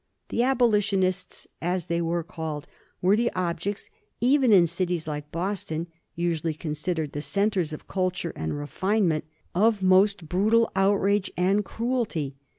The abolitionists, as they were called, were the objects, even in cities like Boston, usually considered the centres of culture and refinement, of most brutal outrage and cruelty.